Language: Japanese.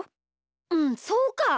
うんそうか！